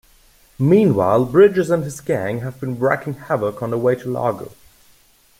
Meanwhile, Bridges and his gang have been wreaking havoc on their way to Lago.